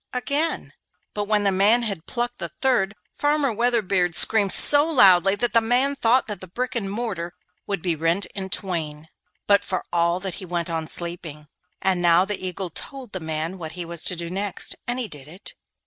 again; but when the man had plucked the third, Farmer Weatherbeard screamed so loudly that the man thought that brick and mortar would be rent in twain, but for all that he went on sleeping. And now the Eagle told the man what he was to do next, and he did it.